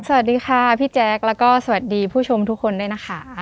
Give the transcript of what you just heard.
สวัสดีค่ะพี่แจ๊คแล้วก็สวัสดีผู้ชมทุกคนด้วยนะคะ